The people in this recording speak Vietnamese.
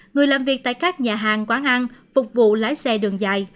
người làm việc tại các nhà hàng quán ăn phục vụ lái xe đường dài